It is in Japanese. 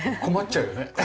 困っちゃうよね。